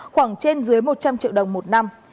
khoảng trên dưới một trăm linh triệu đồng một năm